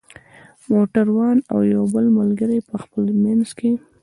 موټر وان او یو بل ملګری یې په خپل منځ کې.